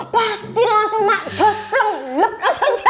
pasti langsung macos plem lep langsung jadi bu